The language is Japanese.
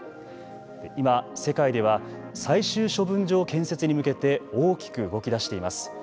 今、世界では最終処分場建設に向けて大きく動き出しています。